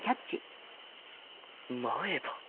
前歯。